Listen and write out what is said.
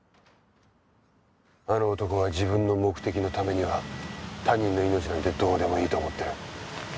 あの男は自分の目的のためには他人の命なんてどうでもいいと思ってる。